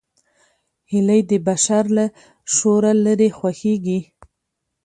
هیلۍ د بشر له شوره لیرې خوښېږي